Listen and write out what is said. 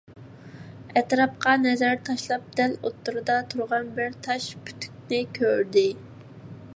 ئەتراپقا نەزەر تاشلاپ، دەل ئوتتۇرىدا تۇرغان بىر تاش پۈتۈكنى كۆردى.